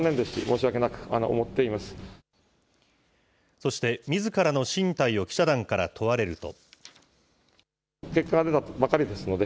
そして、自らの進退を記者団から問われると。